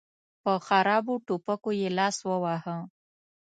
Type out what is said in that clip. په خرابو ټوپکو يې لاس وواهه.